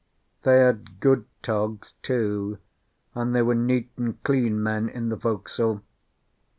They had good togs, too, and they were neat and clean men in the forecastle.